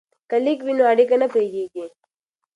که لیک وي نو اړیکه نه پرې کیږي.